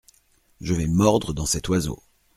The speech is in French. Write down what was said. Je vais mordre dans cet oiseau.